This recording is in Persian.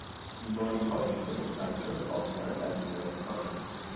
بیماریهایی که مستلزم خوابیدن در بیمارستان است.